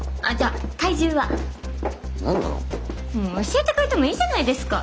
教えてくれてもいいじゃないですか？